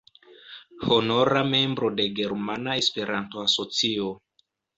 Honora membro de Germana Esperanto-Asocio.